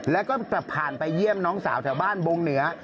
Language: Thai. แล้วก็ผ่านไปเยี่ยมน้องสาวแถวบ้านบงเหนือ